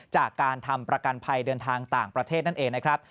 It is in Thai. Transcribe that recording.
จากการทำประกันภัยเดินทางต่างประเทศนั่นเองนะครับ